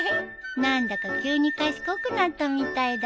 何だか急に賢くなったみたいだよ。